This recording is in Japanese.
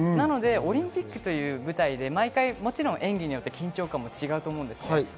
なのでオリンピックという舞台で毎回演技によって緊張感も違うと思うんです。